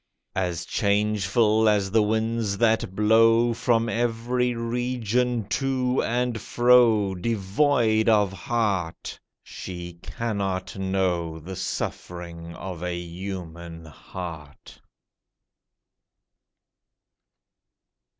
As changeful as the winds that blow From every region to and fro, Devoid of heart, she cannot know The suffering of a human heart.